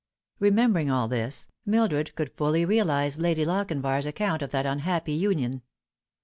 Re membering all this, Mildred could fully realise Lady Lochinvar's account of that unhappy union.